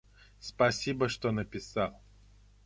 Спасибо, что написал.